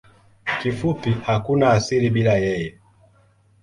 Kifupi hakuna asili bila yeye.